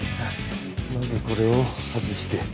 まずこれを外して。